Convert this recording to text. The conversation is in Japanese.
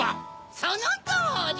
・そのとおり！